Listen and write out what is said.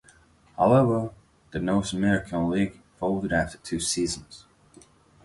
However, the North American League folded after two seasons.